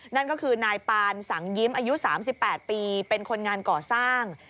นั่นก็คือนายปานสังยิ้มอายุ๓๘ปีเป็นคนงานก่อสร้าง